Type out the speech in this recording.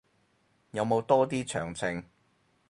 有冇多啲詳情